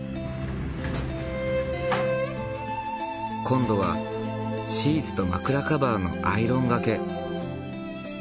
今度はシーツと枕カバーのアイロンがけ。